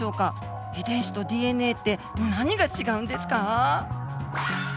遺伝子とＤＮＡって何が違うんですか？